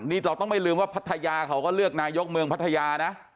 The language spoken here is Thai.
นี่เราต้องไม่ลืมว่าพัทยาเขาก็เลือกนายกเมืองพัทยานะ